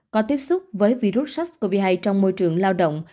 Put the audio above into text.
có tiếp xúc với virus sars cov hai trong môi trường lao động